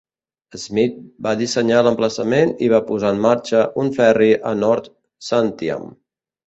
Smith va dissenyar l'emplaçament i va posar un marxa un ferri a North Santiam.